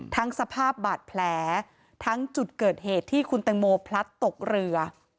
สภาพบาดแผลทั้งจุดเกิดเหตุที่คุณแตงโมพลัดตกเรือ